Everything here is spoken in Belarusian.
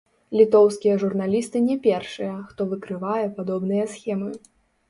Літоўскія журналісты не першыя, хто выкрывае падобныя схемы.